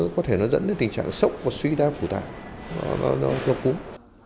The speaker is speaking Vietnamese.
có thể dẫn đến tình trạng sốc và suy đa phụ tạng do cúm